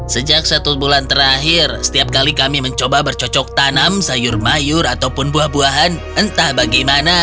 sejak satu bulan terakhir setiap kali kami mencoba bercocok tanam sayur mayur ataupun buah buahan entah bagaimana